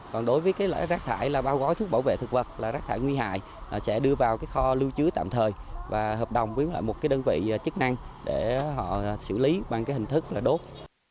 còn đối với cái loại rác thải là bao gói thuốc bảo vệ thực vật là rác thải nguy hại sẽ đưa vào cái kho lưu trữ tạm thời và hợp đồng với lại một cái đơn vị chức năng để họ xử lý bằng cái hình thức là đốt